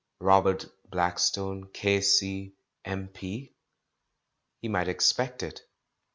"Robert Blackstone, K.C., M.P."? He might expect it.